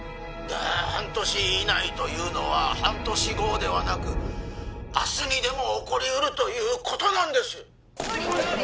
半年以内というのは半年後ではなく明日にでも起こりうるということなんです・総理！